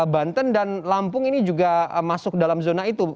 banten dan lampung ini juga masuk dalam zona itu